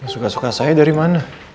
suka suka saya dari mana